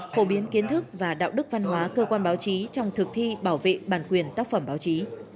phổ biến kiến thức và đạo đức văn hóa cơ quan báo chí trong thực thi bảo vệ bản quyền tác phẩm báo chí